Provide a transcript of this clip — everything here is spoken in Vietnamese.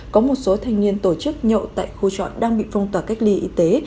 có một số thành viên tổ chức nhậu tại khu trọ đang bị phong tỏa cách ly y tế